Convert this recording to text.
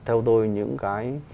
theo tôi những cái